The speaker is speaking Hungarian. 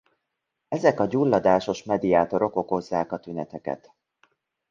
Ezek a gyulladásos mediátorok okozzák a tüneteket.